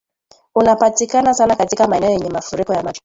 unapatikana sana katika maeneo yenye mafuriko ya maji